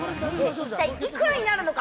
一体いくらになるのか？